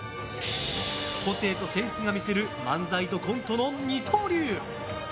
個性とセンスが魅せる漫才とコントの二刀流。